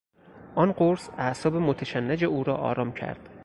آن قرص اعصاب متشنج او را آرام کرد.